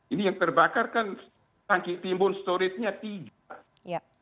ini yang terbakar kan tangki timbun storage nya tiga